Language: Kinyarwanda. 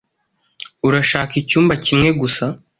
Urashaka icyumba kimwe gusa?